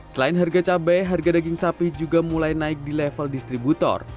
selain harga cabai harga daging sapi juga mulai naik di level distributor